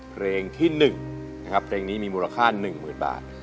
เพลงที่หนึ่งนะครับเพลงนี้มีมูลค่าหนึ่งหมื่นบาท